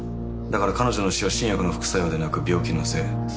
だから彼女の死は新薬の副作用でなく病気のせい。